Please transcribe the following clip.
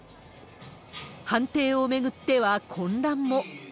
判定を巡っては混乱も。